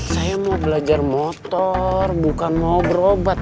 saya mau belajar motor bukan mau berobat